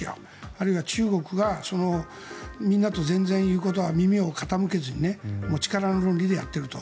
あるいは中国がみんなと全然言うことは耳を傾けずに力の論理でやっていると。